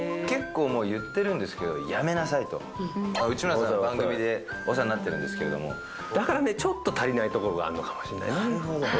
結構もう言ってるんですけど、やめなさいと、内村さんの番組でお世話になっているんですけど、だからね、ちょっと足りない所があるのかもしれないな。